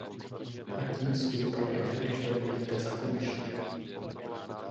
A tím svůj projev, když dovolíte, zakončím.